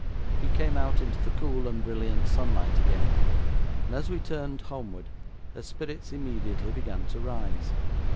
We came out into the cool and brilliant sunlight again, and as we turned homeward, her spirits immediately began to rise.